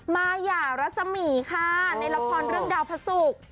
มาหยารัษมิคะในละครเรื่องดาวพระสุก